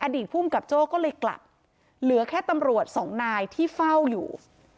อดีตภูมิกับโจ้ก็เลยกลับเหลือแค่ตำรวจสองนายที่เฝ้าอยู่